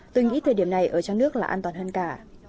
tôi nghĩ thời điểm này ở trong nước là an toàn hơn cả